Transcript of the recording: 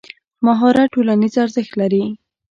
مهارت ټولنیز ارزښت لري.